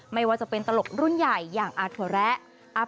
ไม่ว่าจะเป็นตลกรุ่นใหญ่อย่างอาถั่วแระ